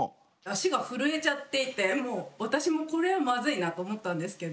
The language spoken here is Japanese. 足が震えちゃっていてもう私もこれはまずいなと思ったんですけど。